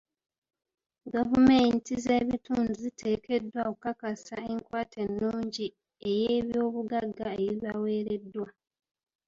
Gavumenti z'ebitundu ziteekeddwa okukakasa enkwata ennungi ey'ebyobugagga ebibaweereddwa.